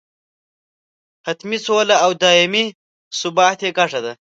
حتمي سوله او دایمي ثبات یې ګټه ده.